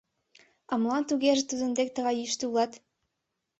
— А молан тугеже тудын дек тыгай йӱштӧ улат?